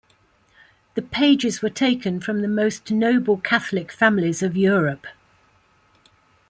The pages were taken from the most noble Catholic families of Europe.